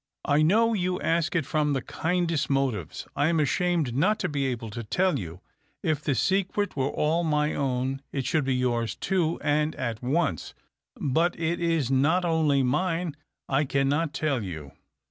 " I know you ask it from the kindest motives. I am ashamed not to be able to tell you. If the secret were all my own, it should be yours too, and at once. But it is not only mine. I cannot tell you."